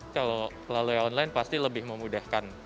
kalau melalui online pasti lebih memudahkan